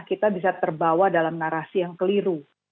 kita bisa terbawa dalam narasi yang keliru